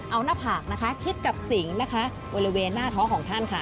เอาหน้าผากนะคะชิดกับสิงนะคะบริเวณหน้าท้องของท่านค่ะ